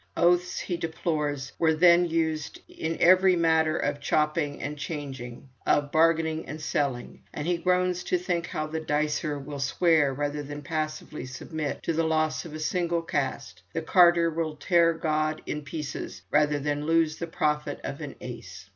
Oaths, he deplores, were then used in every matter of chopping and changing, of bargaining and selling, and he groans to think how the "dicer" will swear rather than passively submit to the loss of a single cast, the "carder will tear God in pieces rather than lose the profit of an ace."